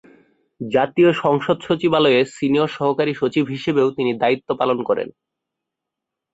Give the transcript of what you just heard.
জাতীয় সংসদ সচিবালয়ে সিনিয়র সহকারী সচিব হিসেবেও তিনি দায়িত্ব পালন করেন।